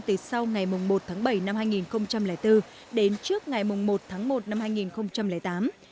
từ sau ngày một tháng bảy năm hai nghìn bốn đến trước ngày một tháng một năm hai nghìn tám